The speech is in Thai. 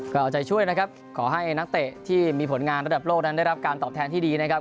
ก็เอาใจช่วยนะครับขอให้นักเตะที่มีผลงานระดับโลกนั้นได้รับการตอบแทนที่ดีนะครับ